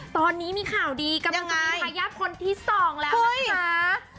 ตอนนี้มีข่าวดีกับคุณปุ่มอย่างยัดคนที่๒แล้วนะครับ